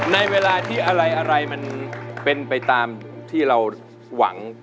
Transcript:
ในเวลาที่อะไรมันเป็นไปตามที่เราหวัง